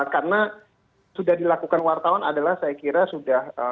karena sudah dilakukan wartawan adalah saya kira sudah